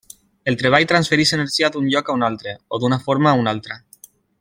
El treball transfereix energia d'un lloc a un altre, o d'una forma a una altra.